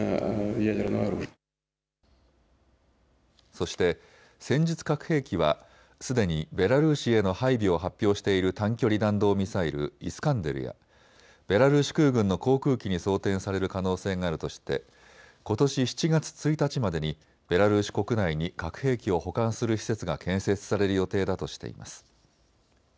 そして戦術核兵器はすでにベラルーシへの配備を発表している短距離弾道ミサイルイスカンデルやベラルーシ空軍の航空機に装填される可能性があるとしてことし７月１日までにベラルーシ国内に核兵器を保管する施設が建設される予定だとしています。